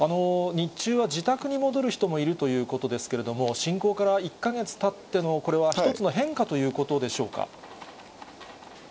日中は自宅に戻る人もいるということですけれども、侵攻から１か月たってのこれは一つの変化ということでしょうか。